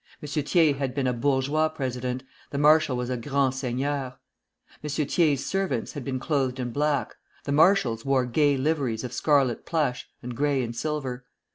M. Thiers had been a bourgeois president; the marshal was a grand seigneur. M. Thiers' servants had been clothed in black; the marshal's wore gay liveries of scarlet plush, and gray and silver.